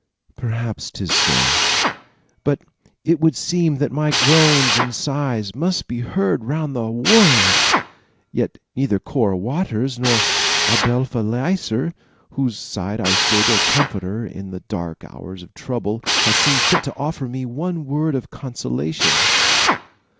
"Perhaps 'tis so; but it seemed that my groans and sighs must be heard round the world, yet neither Cora Waters nor Adelpha Leisler, at whose side I stood a comforter in the dark hours of trouble, has seen fit to offer me one word of consolation."